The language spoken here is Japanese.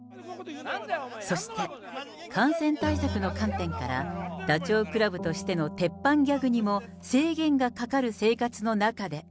そして、感染対策の観点から、ダチョウ倶楽部としての鉄板ギャグにも制限がかかる生活の中で。